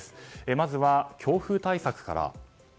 まずは強風対策から。